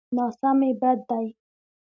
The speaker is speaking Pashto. ناسمي بد دی.